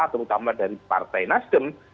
terutama dari partai nasdem